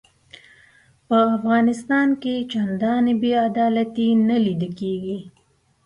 په افغانستان کې چنداني بې عدالتي نه لیده کیږي.